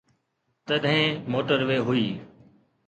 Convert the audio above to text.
تڏهن موٽر وي هئي.